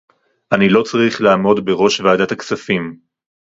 אני לא צריך לעמוד בראש ועדת הכספים